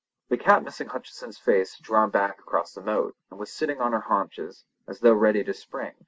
The cat missing Hutcheson's face had drawn back across the moat, and was sitting on her haunches as though ready to spring.